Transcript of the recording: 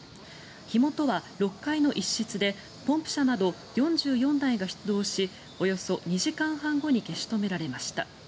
火元は６階の一室でポンプ車など４４台が出動しおよそ２時間半後に消し止められました。